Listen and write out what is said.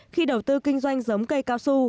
khi đầu tư kinh doanh giống cây cao su